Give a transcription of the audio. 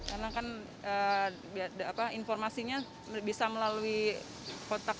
karena kan informasinya bisa melalui kontak